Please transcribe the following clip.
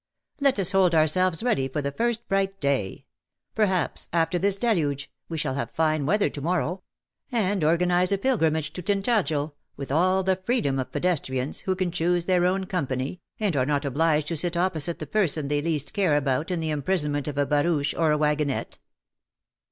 Let us hold ourselves ready for the irst bright day — perhaps, after this deluge, we siall have fine weather to morrow — and organize a pilgrimage to Tintagel, with all the freedom of pedestrians, who can choose their own company, and are not obliged to sit opposite the person tkey least care about in the imprisonment of a barouchs or a wagonette.